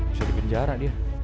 bisa di penjara dia